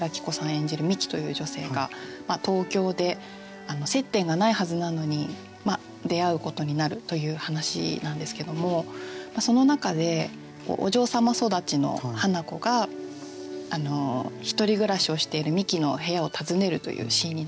演じる美紀という女性が東京で接点がないはずなのに出会うことになるという話なんですけどもその中でお嬢様育ちの華子が１人暮らしをしている美紀の部屋を訪ねるというシーンになります。